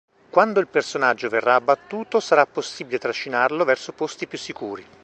Quando il personaggio verrà abbattuto, sarà possibile trascinarlo verso posti più sicuri.